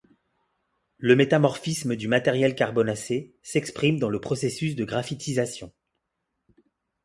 Le métamorphisme du matériel carbonacé s'exprime dans le processus de graphitisation.